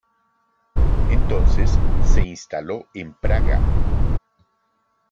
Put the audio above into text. Entonces se instaló en Praga.